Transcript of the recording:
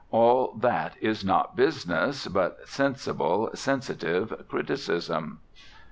All that is not business, but sensible, sensitive criticism.